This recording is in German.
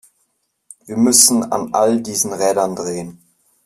Wir müssen an all diesen Rädern drehen.